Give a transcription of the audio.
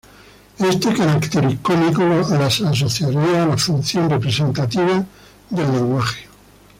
Este carácter icónico las asociaría a la función representativa del lenguaje.